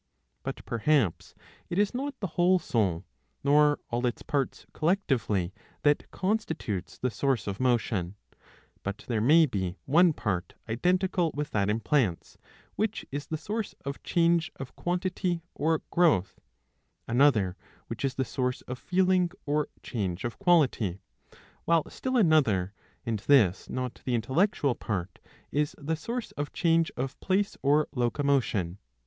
But perhaps it is not the whole soul, nor all its parts collectively, that constitutes the source of motion ; but there may be one part, identical with that in plants, which is the source of [change of quantity or] growth, another which is the source of feeling or change of quality, while still another, and this not the intellectual part, is the source of [change of place or] locomotion.